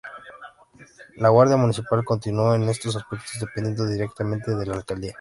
La Guardia Municipal continuó, en estos aspectos, dependiendo directamente de la alcaldía.